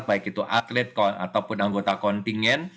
baik itu atlet ataupun anggota kontingen